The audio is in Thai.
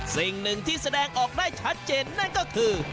สิ่งหนึ่งที่แสดงออกได้ชัดเจนนั่นก็คือ